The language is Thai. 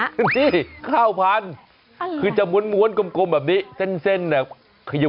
พื้นที่ข้าวพันธุ์คือจะม้วนกลมแบบนี้เส้นเนี่ย